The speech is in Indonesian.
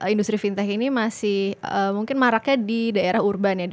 industri fintech ini masih mungkin maraknya di daerah urban ya